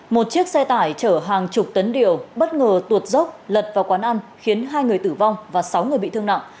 một chiếc xe tải chở hàng chục tấn điều bất ngờ tuột dốc lật vào quán ăn khiến hai người tử vong và sáu người bị thương nặng